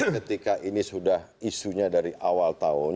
ketika ini sudah isunya dari awal tahun